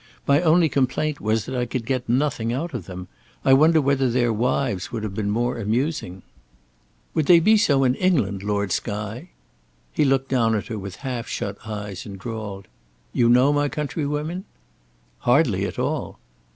My only complaint was that I could get nothing out of them. I wonder whether their wives would have been more amusing." "Would they be so in England, Lord Skye?" He looked down at her with half shut eyes, and drawled: "You know my countrywomen?" "Hardly at all."